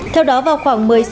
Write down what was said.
theo đó vào khoảng một mươi sáu h